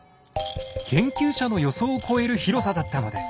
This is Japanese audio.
研究者の予想を超える広さだったのです。